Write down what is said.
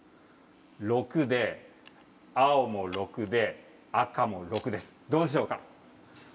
６で青も６で赤も６ですどうでしょうか？